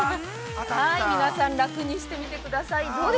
皆さん楽にしてみてください。